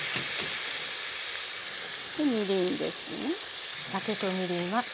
でみりんですね。